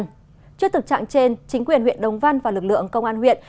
trước thực trạng trên chính quyền huyện đồng văn và lực lượng công an huyện